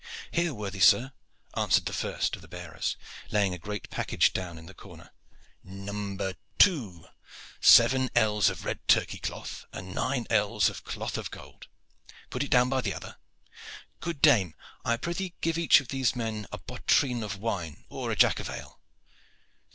"Here, worthy sir," answered the first of the bearers, laying a great package down in the corner. "Number two seven ells of red Turkey cloth and nine ells of cloth of gold. Put it down by the other. Good dame, I prythee give each of these men a bottrine of wine or a jack of ale.